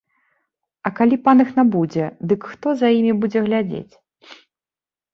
А калі пан іх набудзе, дык хто за імі будзе глядзець?